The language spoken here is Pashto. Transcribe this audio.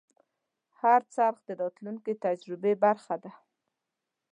هر خرڅ د راتلونکي تجربې برخه ده.